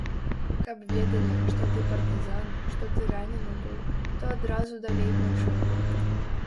Каб ведалі, што ты партызан, што ты ранены быў, то адразу далей пайшоў бы.